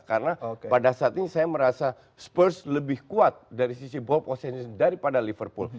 karena pada saat ini saya merasa spurs lebih kuat dari sisi ball possession daripada liverpool